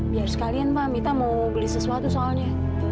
biar sekalian pa minta mau beli sesuatu soalnya